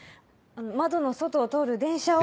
窓の外を通る電車を。